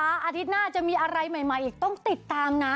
อาทิตย์หน้าจะมีอะไรใหม่อีกต้องติดตามนะ